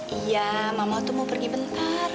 iya mama tuh mau pergi bentar